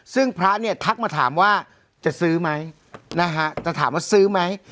ซึ่งพระเนี่ยทักมาถามว่าจะซื้อไหมนะฮะจะถามว่าซื้อไหม